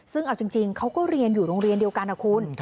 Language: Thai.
ซึ่งเอาจริงเขาก็เรียนอยู่โรงเรียนเดียวกันนะคุณ